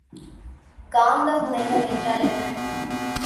காந்த முனைகள் என்றால் என்ன?